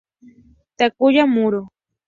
Takuya Muro